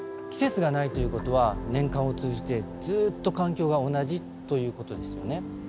季節がないということは年間を通じてずっと環境が同じということですよね。